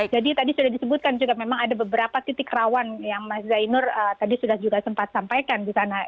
jadi tadi sudah disebutkan juga memang ada beberapa titik rawan yang mas zainur tadi juga sempat sampaikan